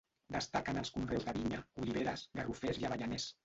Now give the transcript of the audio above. Destaquen els conreus de vinya, oliveres, garrofers i avellaners.